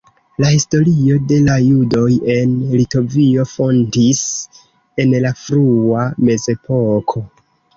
La historio de la judoj en Litovio fontis en la frua mezepoko.